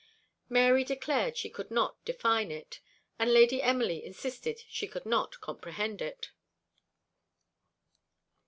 Mary declared she could not define it; and Lady Emily insisted she could not comprehend it.